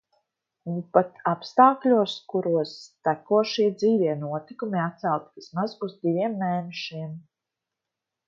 Un pat apstākļos, kuros tekošie, dzīvie notikumi atcelti vismaz uz diviem mēnešiem...